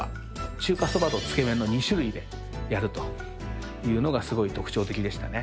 中華そばとつけ麺の２種類でやるというのがすごい特徴的でしたね。